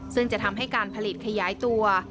ซึ่งจะทำให้การผลิตขยายตัว